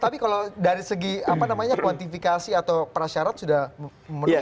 tapi kalau dari segi kuantifikasi atau prasyarat sudah memenuhi